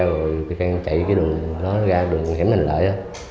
rồi càng chạy cái đường nó ra đường hẻm hành lợi